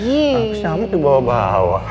habis nyamuk dibawa bawa